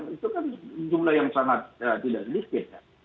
itu kan jumlah yang sangat tidak sedikit